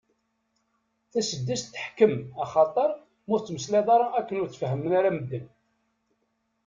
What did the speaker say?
Taseddast teḥkem, axaṭer ma ur tettmeslayeḍ ara akken ur tt-fehmen ara medden.